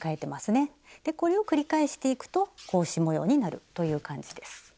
これを繰り返していくと格子模様になるという感じです。